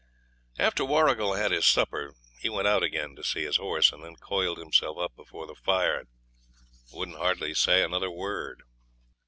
After Warrigal had his supper he went out again to see his horse, and then coiled himself up before the fire and wouldn't hardly say another word.